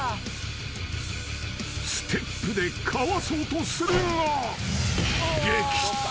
［ステップでかわそうとするが撃沈］